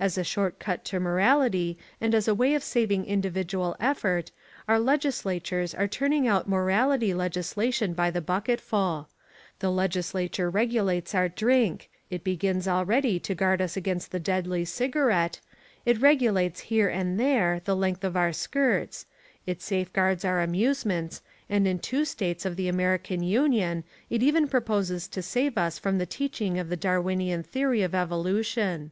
As a short cut to morality and as a way of saving individual effort our legislatures are turning out morality legislation by the bucketful. The legislature regulates our drink, it begins already to guard us against the deadly cigarette, it regulates here and there the length of our skirts, it safeguards our amusements and in two states of the American Union it even proposes to save us from the teaching of the Darwinian Theory of evolution.